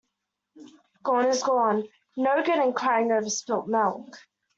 Gone is gone. No good in crying over spilt milk.